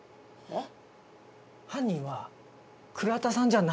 えっ？